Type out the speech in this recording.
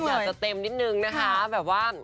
บ่าวนี้อยากจะเต็มนิดหนึ่งนะคะแบบว่า